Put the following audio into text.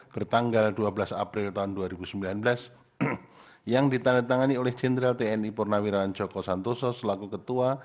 bertanggal dua belas april tahun dua ribu sembilan belas yang ditandatangani oleh jenderal tni purnawiran joko santoso selaku ketua